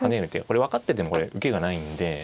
これ分かっててもこれ受けがないんで。